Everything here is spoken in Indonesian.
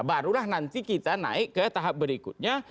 barulah nanti kita naik ke tahap berikutnya